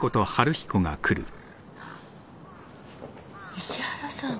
石原さん。